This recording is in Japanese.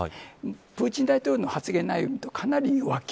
プーチン大統領の発言内容はかなり弱気。